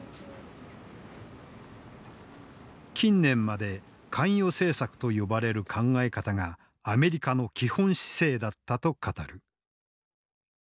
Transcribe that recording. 近年まで関与政策と呼ばれる考え方がアメリカの基本姿勢だったと語る。